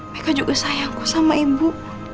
meka juga sayangku sama ibu